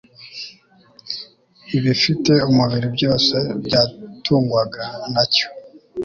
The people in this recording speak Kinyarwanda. ibifite umubiri byose byatungwaga na cyo